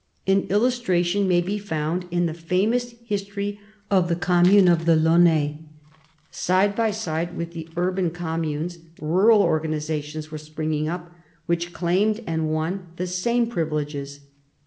An illustration may be found in the famous history of the commune of the Laonnais. Side by side with the urban communes rural organisa tions were springing up which claimed, and won, the same privileges.